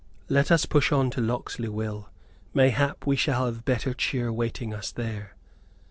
"Let us push on to Locksley, Will; mayhap we shall have better cheer waiting us there!"